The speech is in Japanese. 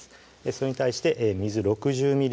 それに対して水６０